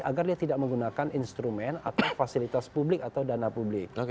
agar dia tidak menggunakan instrumen atau fasilitas publik atau dana publik